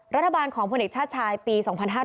รัฐบาลของผู้เด็กชาติชายปี๒๕๓๒๓๕